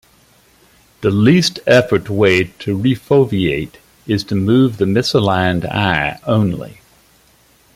The least-effort way to refoveate is to move the misaligned eye only.